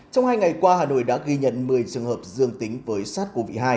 trong hai ngày qua hà nội đã ghi nhận một mươi trường hợp dương tính với sars cov hai